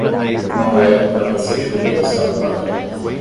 Uma mulher com um capacete vermelho está pulando.